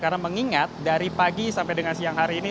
karena mengingat dari pagi sampai dengan siang hari ini